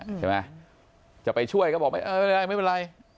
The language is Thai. ใช่ไหมจะไปช่วยก็บอกไม่เออไม่เป็นไรไม่เป็นไร